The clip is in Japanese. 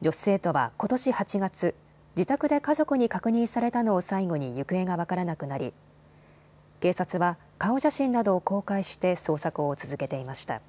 女子生徒はことし８月、自宅で家族に確認されたのを最後に行方が分からなくなり警察は顔写真などを公開して捜索を続けていました。